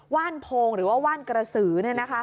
ว่านโพงหรือว่าว่านกระสือเนี่ยนะคะ